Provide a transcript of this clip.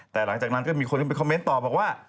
แต่หลังจากนั้นก็มีคนเข้าไปคอมเมนต์ต่อบอกว่า